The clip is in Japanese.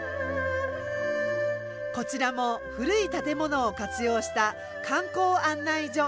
こちらも古い建物を活用した観光案内所。